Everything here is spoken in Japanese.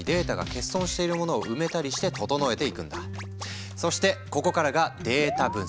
一方でそしてここからがデータ分析。